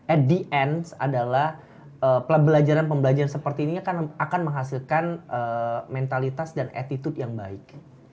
at the end adalah pelajaran pembelajaran seperti ini akan menghasilkan mentalitas dan attitude yang baik